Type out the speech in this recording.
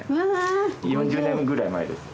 ４０年ぐらい前です。